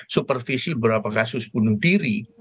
supervisi beberapa kasus bunuh diri